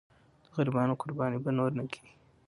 د غریبانو قرباني به نور نه کېږي.